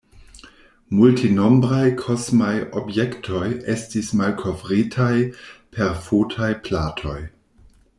Multenombraj kosmaj objektoj estis malkovrita per fotaj platoj.